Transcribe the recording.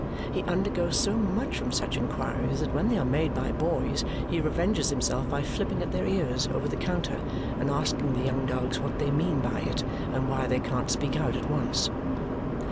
He undergoes so much from such inquiries that when they are made by boys he revenges himself by flipping at their ears over the counter and asking the young dogs what they mean by it and why they can't speak out at once?